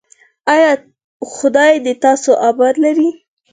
ایا خدای دې تاسو اباد لري؟